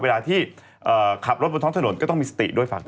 เวลาที่ขับรถบนท้องถนนก็ต้องมีสติด้วยฟัง